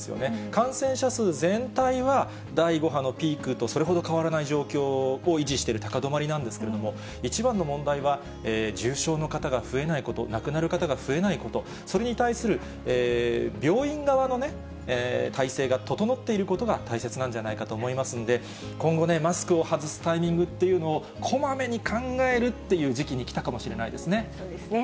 感染者数全体は、第５波のピークとそれほど変わらない状況を維持している高止まりなんですけれども、一番の問題は、重症の方が増えないこと、亡くなる方が増えないこと、それに対する病院側の体制が整っていることが大切なんじゃないかと思いますんで、今後ね、マスクを外すタイミングっていうのをこまめに考えるっていう時期に来たかもしれないですね。